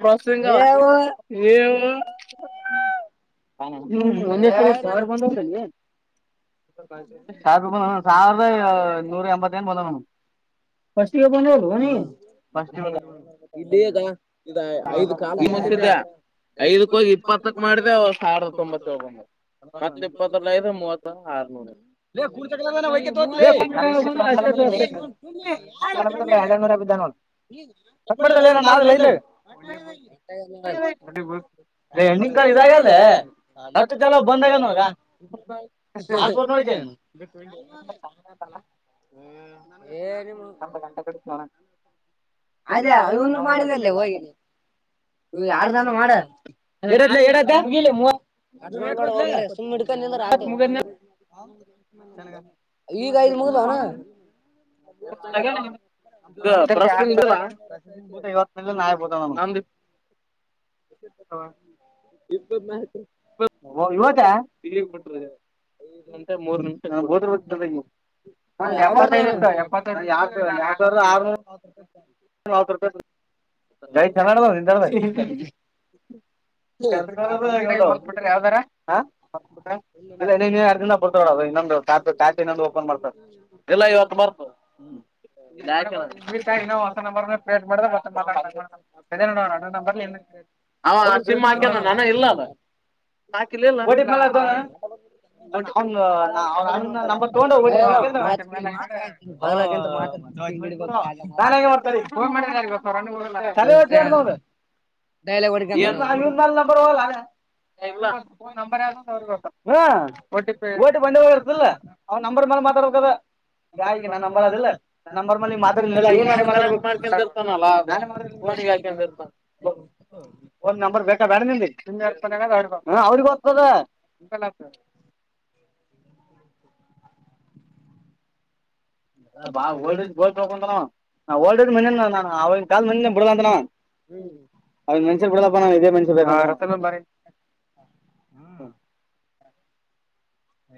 ಬ್ರಾಸ್ಲಿಂಗ ಹ ಹೇಳು. ಆ ಒಂದೇ ಕಡೆ ತೇರು ಬಂದ ಸ್ಪಾಮಿ. ಸಾವುರೂಪಾಯಿ ಸಾವಿರದ ನೂರ ಎಂಬತ್ತನೇ ಬಂದವ ಇದೇ ದಾ. ಇದೇ ಐದ್ ಕಾಲು ನಿಂತಿದೆ. ಐದಕ್ ಹೋಗಿ ಇಪ್ಪತ್ತಕ್ ಮಾಡಿದೆ ಸಾವಿರದ ತೊಂಬತ್ತು ಓಧೋಮು. ಹತ್ ಇಪ್ಪತ್ತಲ್ಲ ಐದು ಮೂವತ್ತ ಆರ್ನೂರ. ಲೇ ಕೂತಣ [unintelligible] ದಾಲು ಲಲ್ಲೆ ನನ್ ಕಾಲು ನೋಯಿತವೇ. ಹಿಂದಿನ ಕಾಲ ಇದಾಗಲ್ಲೆ ಮತ್ತ್ ಕಳೆ ಬಂದವ [unintelligible] ಹ [unintelligible] ಎದ್ದು ನೊಳಗೇನು ಏನು ಆಯ ಹನ್ನೊಂದು ಮಾಡಿದ್ದೆಲ್ಲ ಓಯ್. ನೀ ಯಾರದನಾ ಮಾಡು [unintelligible] ಸುಮ್ಮ್ ಇಡುಕಂಡನ ಆತು. ಈ ಗಾಯು ಮುಗಣ [unintelligible] ಇಕ್ಕದ್ನಿ ಒಬ್ಬ ಮಗ ಗಂಟೆಗೆ ಮೂರ್ ನಿಮಿಷನ ಓದ್ಬೇಕ್ ತಗ ನೀ ಒ ಎಪ್ಟತೈದು ಎಪ್ಪತೈದು ಯಾಕೆ ಯಟರ ಆರುನೂರು. ಮೂವತ್ತುರೂಪಾಯಿಕೊಡಿ ಲೇ ಕನ್ನಡದವ [unintelligible] ಬಿಟ್ರ ಯಾವ್ದಾರ್ರ [unintelligible] ನೆನ್ನೆ ಎರ್ಡ್ ದಿನ ಬಡ್ತಾಡದು ಇನ್ನೊಂದು ಕಾಸ್ ಕಾಸ್ ಇಲ್ಲ ಇವತ್ ಬರ್ತ ಹ್ಮ್. ಒಂದು ಸಾರಿನೂ ಆತ ನಂಬರು ಕ್ಲೋಸ್ ಮಾಡುದ್ರೆ ಮತ್ತೆ [unintelligible] ಸರಿ, ನೋಡು, ಆಧಾರ್, ನಂಬರ್, ಸಿಮ್ ಅಕೀಲಲ್ಲಾ. [unintelligible] ಹಾಕಿಲ್ಲ, ಓಟಿಪಿ, ಬ್ಯಾಂಡ್ಯಾಟ್ತುಯೇನು. [unintelligible] [unintelligible] [inaudible] [unintelligible] [inaudible] ಸರಿ, ಫೋನ್ ಮಾಡಿದ್ರ, ಯಾರ್ಗಾದ್ರು ಸರಿ. [inaudible] ಏನು ನಾಳೆ ನಾಳಿದ್ದು ಬರುವನಾಳ, ನಾನೇ. [inaudible] ಏ, ಇಲ್ಲಾ ಫೋನ್! ನಂಬರ್ ಅವರಿಗೇ, ಗೊತ್ತು. [inaudible] ಓಟಿಪಿ, ಬಂದೆ ಇರ್ತಾರಲ್ಲ! ಅವರ ನಂಬರ್ ಮಾತ್ರ ಮಾತಾಡಬೇಕು ಅದು. [inaudible] ಸಾಹಿ, ನಾನು, ನಂಬರ್, ಅದೆಲ್ಲಾ, ನ, ನಂಬರ್ ಮಾಡುತ್ಹ್ಯಾಡಿಲ್ಲ. [inaudible] ಇದು, ಮಾಡ್ಕೊಂಡ, ಇರ್ತಾನಲ್ಲ ಹಾಕೊಂಡು ಇರ್ತಾನ. [inaudible] ಫೋನ್ ನಂಬರ್ ಬೇಕೆಂದರ ಇಲ್ಲಿ. ಇಂದು ಬೇಕು, ಅವರು ಹೋಗ್ತದೆ? [unintelligible] ಈ ಸಲ ಹಾಕು. [unintelligible] [unintelligible] [inaudible] ಬಾ ಓದು ತಕ್ಷಣ ಗೋರಿ, ತಕೊಂಡು, ಬಾರಮ್ಮು. [inaudible] ನಾವು ಹೋಗಿದ್ದೆ ಮೊನ್ನೆ ಕಾಲ್ ಆಲ್ ಮಂಡ್ಯ ಬಿಡಲಾ ಅಂತಾನೆ, ಹ್ಮ್, ಮೆನ್ಶನ್ ಬಿಡಪ್ಪ, ಇದೇ, ಮೆನುಷಿನ್. [unintelligible] ರತ್ನ ಭಾರ ಇಲ್ಲಿ, ಹ್ಮ್ಮ್. [unintelligible]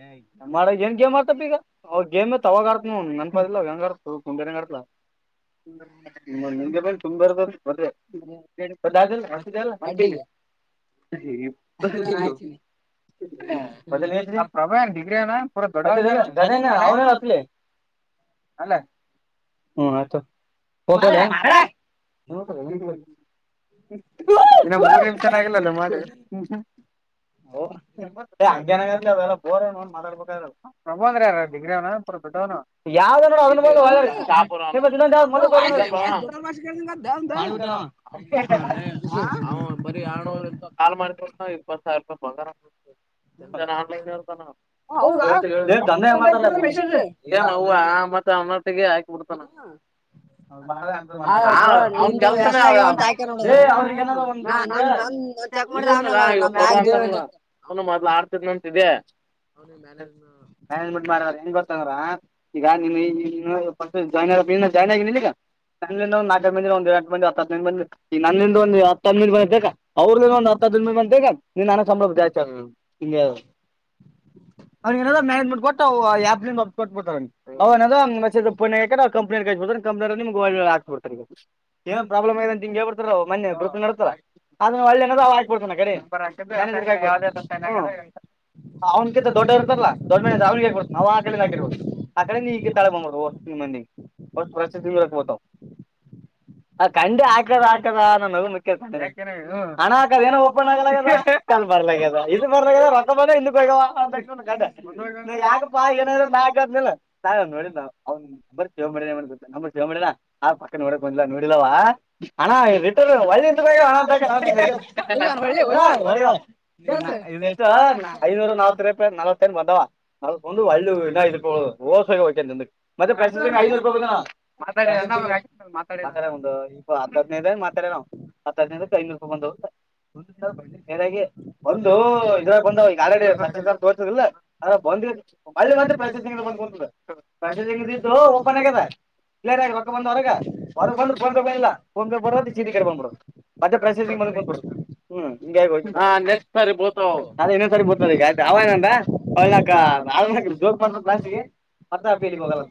ಏ, ಗೇಮ್ ಮಾಡ ಏನ್ ಗೇಮ್. ಅವರೇನು ತಗೊಂಡು ಹೋಗು ಅವರೆಅಂತೇ.. [unintelligible] ಹುಲ್ಲಾ. [inaudible] ನಿಮೂನಿಂಬೆ, ತುಂಬದೇ, ಅಲ್ಲ ಕೊಡ್ರಿ. [inaudible] ಏ, ಪ್ರವಹ, ಹೇ, ಪವನ್. [unintelligible] ಬಿಡುವ, ದೊಡ್ಡ, ದಾನ್ಯ, ಹೆಲಿಯಾಕುಳಿ. [unintelligible] ಅಲ್ಲ. [unintelligible] ಹ್ಮ್, ಆಯ್ತು, ಓಕೆ, ನಾನು, ಮಗಳು. [unintelligible] ಇ, ಹ್ಮ್ಮ್ಹ್ಮ್, ನಿನ್ನ ಊರಿನ ಕರೆಯಾಗಿಲ್ಲ ಮಾಧು. [unintelligible] ಹಗ್ಗೇನ್ ಆಗಿಲ್ಲ ಬೇರೆ? [unintelligible] ಮಾತಾಡ್ಬೇಕ, ಪ್ರಭ ಅಂದ್ರಾರ ಡಿಗ್ರಿ ಅವನಾ, ದೊಡುವನೋ, ಯಾವ, ಅವನು, ಮೇಲೆ. [unintelligible] ಪುನಃ, ದೊಡ್ಡ, ಭಾಷೆ, ಕಾನಂಗಿ, ಆಯ್ತೇ, ಅವನುಧ್ಹು. [unintelligible] ನಾನ ಕಾಲ್ ಮಾಡಿದ ತಕ್ಷಣ, ಇಪ್ಪತ್ ಸಾವಿರ ರೂಪಾಯಿ ಬಂಗಾರ, ಅವನು, ಆನ್ಲೈನ್, ಹೇಳಿದಾನ. [unintelligible] ಮತ್ತೆ, ಧನ್ಯಾ, ಮತ್ತೆ, ಮೆಸೇಜ್, ಅವನುಒಟ್ಟಿಗೆ, ಅಕಿಬಿಡುತನ. [unintelligible] ಹ. [inaudible] ಅವ್ರ್ ಮಾಡದೇ ಅಂತದ್ದು! ಆ, ನಿಂದು, ಎಸ್, ಎಲ್, ವಿ. ಅಕ್ಕೊಂಡು, ಅವನಿ, ನೋಡು. ನಂದೂ. [unintelligible] ಹ್ಮ್ಮ್, ಚೆಕ್ ಮಾಡದೇ, ಆಮೇಲೆ, ನಮ್ಮುಗೈ. [unintelligible] ಮ್ಯಾನೇಜ್ಮೆಂಟ್, ಮಾಡ ಹೆಂಗ ಗೊತ್ತಂಗ್ರ ಈಗ, ನಿಮ್, ಫಸ್ಟ್, ಜಾಯಿನ್, ಆಕೋಕೆ. [unintelligible] ನಿನು, ಜಾಯನ್ ಆಗಿಲ, ಈಗ. [unintelligible] ನನ್ನಂದ, ಒಂದು ನಾಕ ಮಂದಿ ಒಂದಂದು ಎಟು ಮಂದಿ ಹತ್ ಮಂದಿಂದ ಈಗಾ, ನನ್ನಂದು, ಒಂದು ಹ ಮಂದಿ ಬಂದಿ ಅವ್ರಲಿಂದ. ಒಂದು, ಹಾ. [unintelligible] ಆದು, ನೀನಬೇಗಾಮು, ನಾನು, ಸಾಪಾಧನೆ, ಜಾಸ್ತಿ, ಆಗೋದು. [unintelligible] ಅವನಿಗೆ, ಎನ್ಯಾದರೂ, ಮಾನೇಜ್ಮೆಂಟ್ಟ್ಟ ಅವ ಆಪ್ಲಿಂಕ್, ಕೊಟ್ಟುಬಿಡುತ್ತಾರೆ, ಅವನಿಗೆ, ಮೆಸೇಜ್, ಪೋನ್, ಏನೂಕಾದರೆ, ಕಂಪನಿ, ಅವರಿಗೆ, ಕಲ್ಷುಬಿಡುತ್ತಾರೆ. [unintelligible] ಕಂಪನಿಯವರು ನಿಮಗೆ ಒಳಗೆ ಹಾಕುತ್ತಾರೆ, ಏನಾದ್ರು ಪ್ರಾಬ್ಲಮ್ ಆದ್ರೆ ಹಿಂಗೆ, ಹೇಳ್ಬಿಡ್ತಾರೆ, ಮೊನ್ನೆ ಬಿಡುಕನು, ಆಮೇಲೆ. [unintelligible] ಆಗ್ಲೇ ಏನಾದರೂ ಆಗ್ಬಿಟ್ಟಾನ ಗಾಡಿ. ನಂಬರ್, ಅಕೋಧು.. [unintelligible] ಅವನಿಗಿಂತ, ದೊಡ್ಡ ಇರ್ತಾರಲ್ಲ? ದೊಡ್ಡ ಮ್ಯಾನೇಜರ್, ಅವನಿಗೆ, ಕೊಟ್ಟು ಬಿಡ್ತೀನಿ, ನಾವು ಹಾಕಬಹುದು, ಆ ಕಡೆಯಿಂದ ಈ ಕಡೆ ತಲೆ, ಬಂದು ಬಿಡಬಹುದು. [inaudible] ಮನಿ, ಪಡು ಪಡು ಪೊಸವು, ಲೇಧು, ಪೋತವೂ. [inaudible] ಆ ಕಂಡು ಹಾಕದು, ಹಾಕದ! ನಗುನಕದ, ಅಣ್ಣ ಯಾಕಡೆ, ಏನೋ, ಓಪನ್, ಅಗಾಧ. [unintelligible] ಬರಲ, ಅಗಾಧ, ಇದು ಬರುಲಾ, ರೊಕ್ಕ, ಬರಲ್ವಾ. [unintelligible] ಆ ಬರೀ ಇನ್ನು ಬೇಗ ಅಂತ, ತಕ್ಷಣ ಯಾರಪ್ಪನ, ಕಂಡೇ, ನಾನೇ, ನೋಡಿಲ್ಲ, ಅವನ. [unintelligible] ನೋಡ್ ಕೇಳು ಮಾರಾಯ ನಂಬರ್ ಸೇವ್ ಮಾಡಿಲ್ಲ ಅವ ಪಕ್ಕ ನೋಡಲು ಬಂಧುಳಾ ನೋಡಿಲ್ಲ ಹವಾ ಅನಾ ರಿಟರ್ನ್. [unintelligible] ಒಳಿತು ನಿಂತು ಬೇಗ, ಬೇಗ, ಹೋಗ, ಯತೇ. [unintelligible] ಐನೂರು, ನಲ್ವತಾ, ನಲವತ್ತಂದಳ, ಬಂದವ, ಅದಕೊಂಡು, ನಲ್ಲೂ, ಇದಕ್ಕೆ ಒಂದು, ಹೊಸು, ಹೋಗುತ್ತಿಂದು. [unintelligible] ನೆಕ್ಸ್ಟ್ ಸರಿ, ಹೈನ್ನೂರು, ರೂಪಾಯಿಗೆ ಬಂದವನೇ, ಮಾತಾಡಿ ಸರ್, ಅಣ್ಣಾಮಲೈ, ಸರ್, ಯಾಕೆ? ಮಾತಾಡಿ, ಒಂದು, ಹತ್ತು ಹದಿನೈದು ಅಂದಿದ್ದರೆ, ಮಾತನಾಡಿರಾಮ್. [unintelligible] ಮಾತಾಡಿದಕ್ಕೆ ಹೈನೂರು, ರೂಪಾಯಿ ಬಂದಿದೆ ಅದಿಕ್ಕೆ? [inaudible] ದುಡ್ಡು ತಿನ್ನೋರು ಬೆಳಿತಾ, ಬನ್ರೋ, ಇದುರಾಗ ಬನ್ನಿ. [unintelligible] ತೋರ್ಸುದಿಲ್ಲ ಬಂದ [unintelligible] ಇದು ಓಪನ್ ಆಗೇದ ಕ್ಲಿಯರ್ ಆಗಿಕ್ ಬಂದ ಹೊರಗ ಹೊರ ಬಂದು ಲ್ಲ ನ್ ಬರ ಚೀದಿ ಕಡೆ ಬಂದ್ [unintelligible] ಮತ್ತೆ ಪ್ರಸ್ತಿಗೆ ಮಂದ ಕ [unintelligible] ಸರಿ ಬೊತ್ತದ ಈಗ ಆಯತ ಅವಾಎನಂದಾ ಅವ ಜೋಕ್ ಮಾಡತ ಬಾಸ್ಗೆ [unintelligible] ಅತ್ತಪೇಲಿ ಹೋಗಲ್ಲ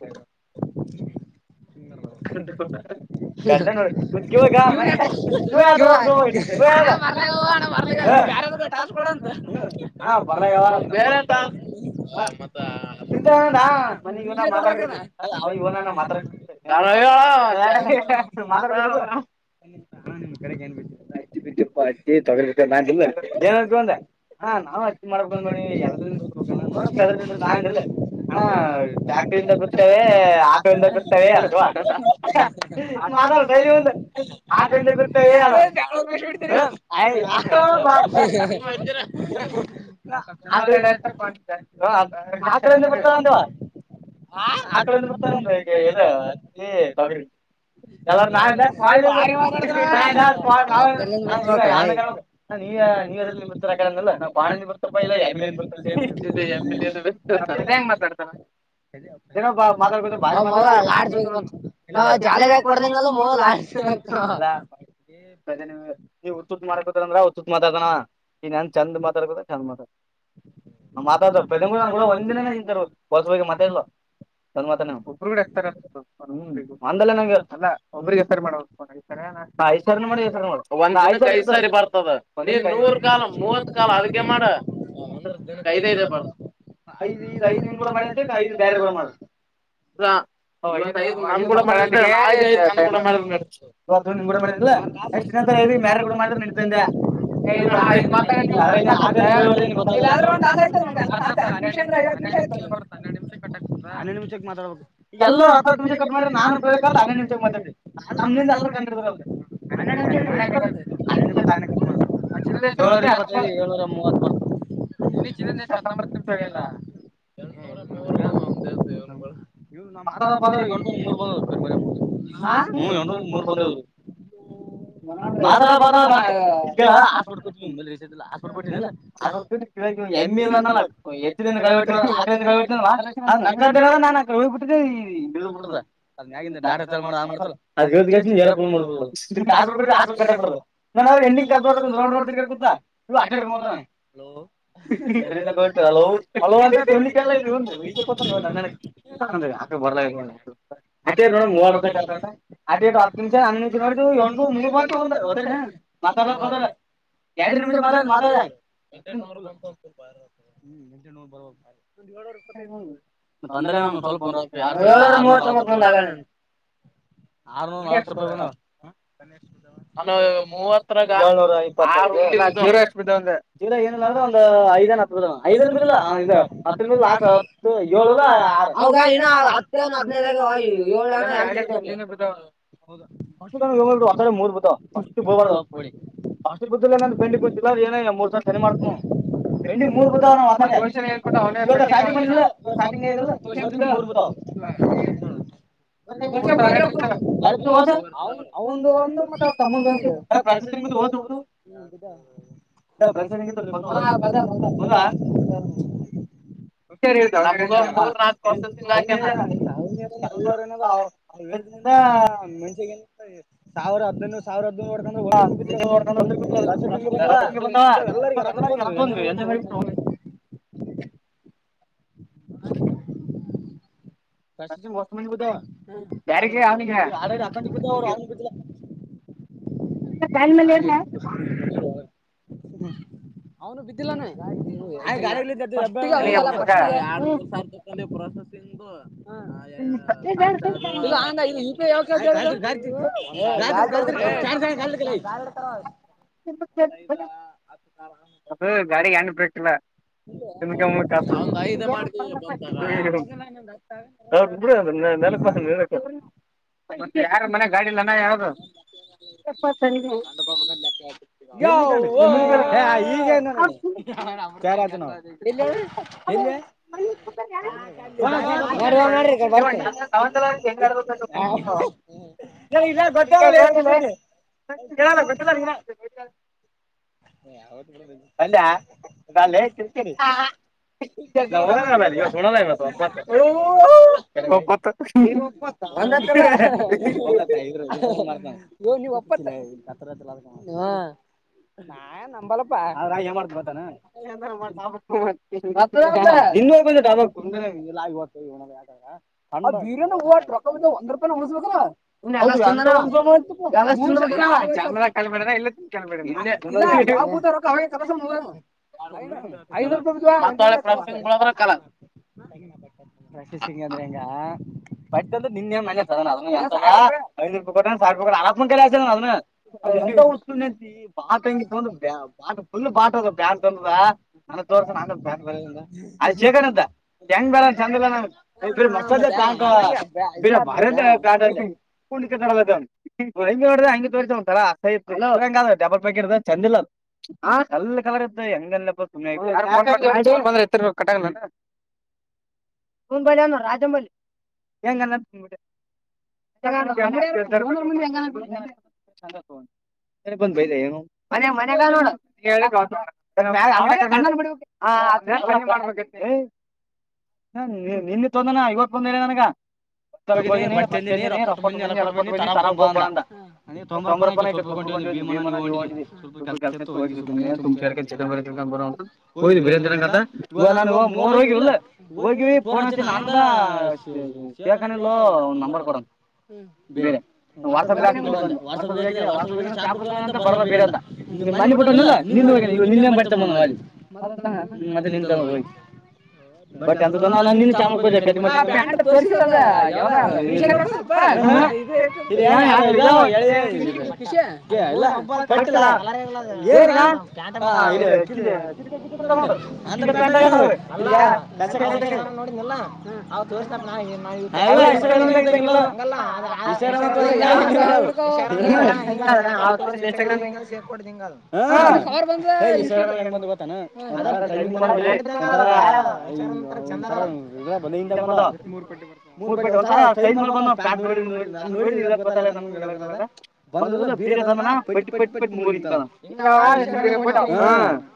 [unintelligible] [unintelligible] [unintelligible] ಹಾ ಬರ ಬೇರೆ [unintelligible] ಇವನಾನ ಮಾತಾ [unintelligible] ಹಾ ನಿಮ್ ಕಡೆ [unintelligible] ಏನ್ ಅನಕೋಂಡೇ ಹಾ ನಾವ್ ಅಚ್ ಮಾಡಕ್ ಬಂದ್ ನೋಡಿ ಎ ಗತ್ಕೊಂಡ ನೋ ಅದ್ರ ತಿಲ್ಲ ಹಣ [unintelligible] ಬರ್ತವೆ ಆತಿಂದ ಅಥವಾ ಮಾತಾಡ್ತ [unintelligible] [unintelligible] [unintelligible] ಹ ಆ ಕಡೆಯಿಂದ ಬರ್ತ ನಮ ಇ ಹತ್ತಿ, ತೊಗರಿ [unintelligible] [unintelligible] ನೀಯ ನೀವು ಅ್ರ ಬಿತ್ತ ಅ ಕಡೆಲ್ಲ [unintelligible] ನಾವು ಪಾಣಂದಿ ಬರ್ತ್ತಪ್ಪಾ ಇಲ್ಲ ಎಂಬ ಹೆಂಗ ಮಾತಾಡ್ತಾವ [inaudible] ಏನೋ ಮಾತಾಡ್ಬೇಕೊಡ್ತ [unintelligible] ನೀವ ಉತ್ತುತ್ ಮಾಡಕೊತಂದ್ರ ಉತುತ್ ಮಾತಾಡತಾನವಾ [unintelligible] [unintelligible] ಮಾತಾಡ್ ಪ್ರದಿಪ್ ಕೂಡ ಒಂದಿನನ ನಿಂತ ಬಸಿ ಮಾತಾಡಿಲ್ [unintelligible] [unintelligible] ಬರ್ತದ ನೂರ್ ಕಾಲ ಮೂವ [unintelligible] ಅದಕ್ಕೆೇ ಮಾಡನ್ ಅಂದ್ರ ದಿನ ಕೈದ ಇದೆ ಬರ ಐದ್ ನಿನ್ನ ಗುಡ ಮಾತ್ಯಾಡ ಐದು ಇವ್ರು ಕೂಡ ಮತ್ತ ಐದು ಬ್ಯಾರೆ ರ್ ಕೂಡ ಮಾಡ [unintelligible] ಕೂಡ ಮಾಡ ಎ [unintelligible] ಮೇರೆ ಗಡ ಮಾಡ ನಡ್ತಂದೆ [unintelligible] ದ್ರೂ ಒಂದ ಆಯ್ತ [unintelligible] ನಿಮಿಷ ಮಾತಾಡ್ಬೇಕು ಎಲ್ಲರ ಹತ್ ನಿಮಷ ಕಟ್ ಮಾಡಿ ನಾನು ಬ ಹನ್ನೆರಡು ನಿಮಿಷ ಕಂಡುಹಿಡಿದಿದ್ದೇನೆ ಅ ಅಮ್ದ ಎಾರ ಕಂಗಡಿದ [unintelligible] [unintelligible] ಏಳ್ನೂರ ಮೂವತ್ತು ಇ ಚನ್ನ ದಸ ಹತ್ತೊಂಬತ್ತು ನಿಮಿಷರ [unintelligible] ಇವ್ ನಮ್ಮ್ ಮಾತಾರ ಪಾತ ಎಂದ ಮೂರ್ ಬಂದಂದ ಮೂರ್ ಬಂದ [unintelligible] [unintelligible] ಕೇಳ ಎತ್ತಿನಿಂದ [unintelligible] [unintelligible] ಬಿಟ್ಟದ ಅದನ್ಯಾಗಿ ಟಾ ತ ಮಾಡ ಆ ಮಾಡತಲ್ಲ ಅದುಬ [unintelligible] [unintelligible] [unintelligible] ಹಲೋ [unintelligible] ಅತ್ತೇ ನಡಂ ಅ ಹತ್ತು ನಿಮಿಷ ಹ ನೋ [inaudible] [unintelligible] [unintelligible] ಹತ್ತ ನಿಮಷ ಮತ [unintelligible] ಬಂದಲ್ಲ ನಾನು ಸ್ವಲ್ಪ [unintelligible] [inaudible] ಆರ್ನೂರ ನಲ್ವತ್ ರೂಪಾಯಿ ಬಂದವ. [unintelligible] [unintelligible] [unintelligible] [inaudible] [unintelligible] [unintelligible] ಪೆಂಡಿಂಗ್ ಮೂರ್ ಬಿದ್ದವಾ [unintelligible] [unintelligible] [unintelligible] ಅವ್ದೊಂದು ಅವರ ತಮ್ಮಂದು ಒಂದು. [unintelligible] ಹಾ ಬಂದ ಬಂದ [unintelligible] [unintelligible] ಮಷ ಸಾವಿರ [unintelligible] ಸಾವಿರ [unintelligible] ವರ್ಕಂದ್ರೆ ಒಂದ [unintelligible] [inaudible] ಯಾರಿಗಿ ಅವನಿಗ್ಯಾ. [inaudible] ಅವನಿಗಿ ಬಿದ್ದಿಲ್ಲಾನ. [unintelligible] ಹಾ ಯಾಕಂತರು [unintelligible] [unintelligible] [unintelligible] ಇಲ್ಲ. [unintelligible] [unintelligible] [unintelligible] ಗಾಡಿಇಲ್ಲ್ ಏನ್ ಯಾವ್ದು. [unintelligible] [unintelligible] [unintelligible] ನೀ ಇಲ್ಲ ಗೊತ್ತಲ್ಲ ಲೆ [unintelligible] ಇಲ್ಲ ಇಲ್ಲ ಗೊತ್ತಿಲ್ಲ ನೀನ ಅಲ್ಲ್ಯಾ [unintelligible] [unintelligible] [unintelligible] ಹ್ಮ್ ನಾ ಏನ್ ನಂಬಲ್ಪ [unintelligible] [unintelligible] ಅನ್ನ ಬಿರ್ಯಾಣುವು ಅಟ್ಟ ರೊಕ್ಕ ಬಿದ್ದವು ಒಂದ ರೂಪಾಯಿನ ಉಸ್ಬೇಕಾಲ [unintelligible] [unintelligible] [unintelligible] [inaudible] [unintelligible] [unintelligible] ಪ ಬಾ ಫುಲ್ ಬಾಟ್ ಅ ಬ್ಯಾ ತಂದರ ನಾನ ಬ್ಯಾ ಬ ಅ [unintelligible] [unintelligible] [unintelligible] [unintelligible] ಡಬಲ್ ಪಕೀಟದ ಚಂದಿಲ್ಲ. [unintelligible] ರಾಜ್ಯ ನಾ ಬಲ್ಲಿ. [unintelligible] [unintelligible] ಮನ್ಯಾಗನ ನೋಡ [unintelligible] ನಿನ್ನೀ ತೊಂದನ ಇವತ್ತ ಒಂದ್ ಹೇಳ ನನ್ಗ. ಒತ್ತರ ಹೋಗಿನಿ ಬಟ್ಟೆನಿ ರಕ್ಕ ಕೊಟ್ಟು ಬಂದೀನಿ ಕೊಟ್ಟ ಬನಿ ತರೋಗ್ಬ ಅಂತ ತೊಂಬ್ರಪ್ಪನ [unintelligible] ಭೀಮಾನ ಕೆಲಸ ಇತ್ತ ಹೋಗಿನಿ [unintelligible] ಹೋದು ಬಿರ್ಯಾನಿ ತಿನಾಕ ಅಂತ ಇವಾ ನಾನು ಮೂರುವರಿಗಿಲ್ಲ ಹೋಗಿವಿ ಫೋನ್ ಹಚ್ಚಿದ್ನ ಆನಂದ್. ಶೇಕನ್ನಲ್ಲೋ ಅವನ್ ನಂಬರ್ ಕೊಡ ಅಂದ. ಬೇರೆ ವಾಟ್ಸಪಿಗ್ ಹಾಕ್ಬಿಟ್ಟ ಹೋಗ್ ಅಂದೆ ವಾಟ್ಸಾಪ್ಪಿಗೆ ಶಾಪರ ಹೋಗ್ಯಾನ್ ಅಂತ ಬರಲ್ಲ ಬೀರ ಅಂದ. ಮನ್ನಿ ಬಿಟ್ಟನಲ್ಲ ನಿನ್ ಹೋಗ್ಯನ ನಿನ್ನೇ ಬತ ಮನವಲಿ ಬಟ್ ಎಂತದೋ ಅಣ್ಣಾ ನಿನ್ನೆ ಚಾ ಮಾಡ್ಕೊಂಡಿ ಕಟ್ಟಿಮ್ಯಾಲೆ. [unintelligible] ಲ್ಲ [inaudible] ನೋಡಿಲ್ಲ ಅವ ತೋರ್ಪ್ಪಾ. ಅಲ್ಲಶವರನಾಗಂಗ ಇಲ್ಲದ. ಇನ್ಟಾಗ್ರಾಮ ಹಿಂಗ ಸೇರ್ ಕೊಡ ಹಿಂಗ ಇನ್ಸ್ಟಾಗ್ರಾಮಾ ದಾಗ್ ಹೆಂಗ ಬಂದ ಗೊತ್ತಾನ. ಬ ಬ [inaudible] ಮೂರ್ ಪಟಿ ಒಂಥರಾ ಸ್ಟೈಲ್ ಮ್ಯಾಲ್ ಬಂದಾವ ಪ್ಯಾಂಟ್ ನೋಡಿದ ನೋಡಿ ನೋಡಿದಿಲ ಇದ ಅಂತ ಗೊತ್ತ. ಬಿರ್ಯಾ ತಂದಣ ಪಟ್ಟಿ ಪಟ್ಟಿ ಪಟ್ಟಿ ಮೂರಿಂಗ ತಾನ ಹ.